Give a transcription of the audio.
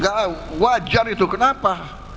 gak wajar itu kenapa